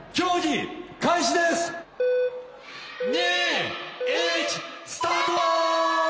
２１スタート！